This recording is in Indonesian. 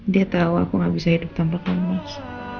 dia tau aku gak bisa hidup tanpa kamu mas